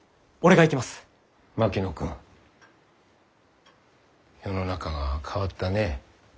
槙野君世の中が変わったねえ。